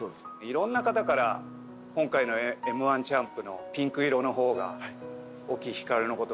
いろんな方から「今回のＭ−１チャンプのピンク色の方が沖ヒカルの事